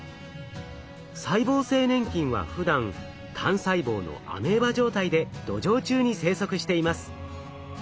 細胞性粘菌はふだん単細胞のアメーバ状態で土壌中に生息しています。